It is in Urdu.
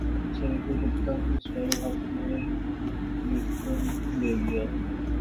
سابق کپتان مصباح الحق نے یوٹرن لے لیا